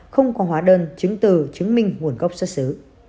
không có hóa đơn chứng từ chứng minh nguồn gốc xuất xứ